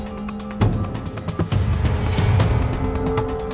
aku harus memberi dia pelajaran